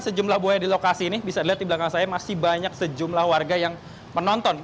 sejumlah buaya di lokasi ini bisa dilihat di belakang saya masih banyak sejumlah warga yang menonton